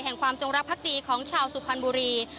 ความจงรักภักดีของชาวสุพรรณบุรี